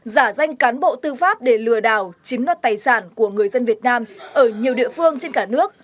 giả danh cán bộ tư pháp để lừa đảo chiếm đoạt tài sản của người dân việt nam ở nhiều địa phương trên cả nước